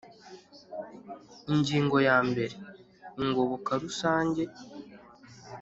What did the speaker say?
Ingingo ya mbere Ingoboka rusange